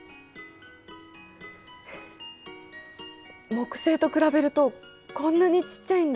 木星と比べるとこんなにちっちゃいんだ！